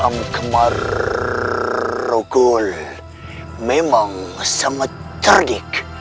memang sangat terdik